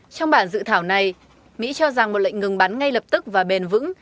trong bản dự thảo này mỹ cho rằng một lệnh ngừng bắn ngay lập tức và bền vững